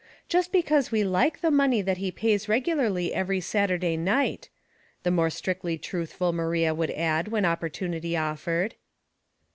" Just because we like the raoney that he pays regularly every Saturday night," the more strictly truthful Maria would add when opportunity offered.